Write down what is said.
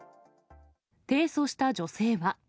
提訴した女性は。